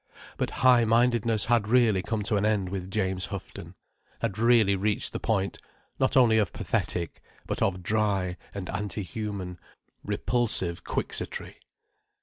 But high mindedness had really come to an end with James Houghton, had really reached the point, not only of pathetic, but of dry and anti human, repulsive quixotry.